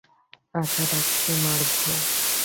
আশা রাখছি, মার্ভ।